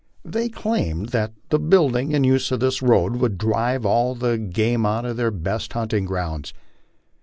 They claimed that the building and use of this road would drive all the game out of their best hunting grounds.